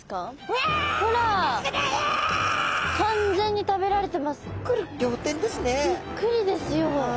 びっくりですよ。